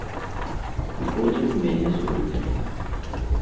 І потым мяне звольнілі.